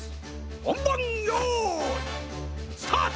ほんばんよういスタート！